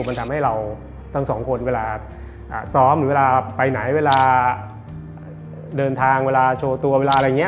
มันทำให้เราทั้งสองคนเวลาซ้อมหรือเวลาไปไหนเวลาเดินทางเวลาโชว์ตัว